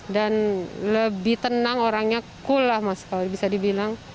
dan lebih tenang orangnya cool lah mas kalau bisa dibilang